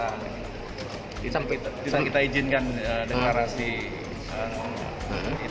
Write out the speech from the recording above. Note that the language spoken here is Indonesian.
tidak ada di kita tidak ada di kita